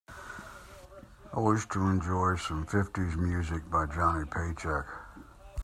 I wish to enjoy some fifties music by Johnny Paycheck.